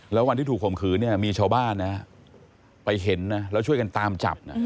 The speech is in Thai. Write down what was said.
แล้ววันที่ถูกข่มขืนเนี่ยมีชาวบ้านนะไปเห็นนะแล้วช่วยกันตามจับ